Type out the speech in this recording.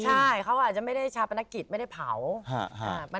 ใช่เขาอาจจะไม่ได้ชาปนกิจไม่ได้เผา